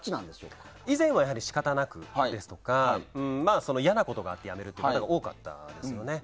以前は仕方なくですとか嫌なことがあって辞めるみたいのが多かったんですよね。